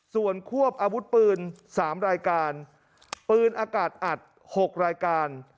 ส่วนควบอาวุธปืน๓รายการปืนอากาศอัด๖รายการ